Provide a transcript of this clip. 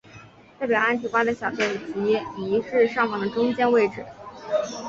代表安提瓜的小盾即移至上方的中间位置。